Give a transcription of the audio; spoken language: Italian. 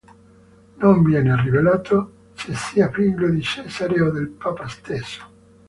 Non viene rivelato se sia figlio di Cesare o del papa stesso.